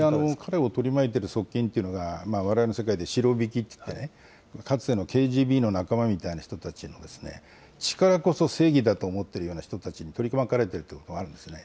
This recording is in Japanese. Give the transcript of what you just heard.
彼を取り巻いてる側近ってのが、われわれの世界でシロビキっていって、かつてのＫＧＢの仲間みたいな人たちが力こそ正義だと思ってるような人たちに取り巻かれてるってことがあるんですよね。